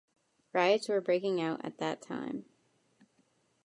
Riots were breaking out at that time.